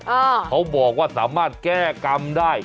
เขาบอกว่าสามารถแก้กรรมได้